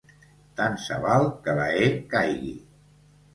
Tant se val que la e caigui.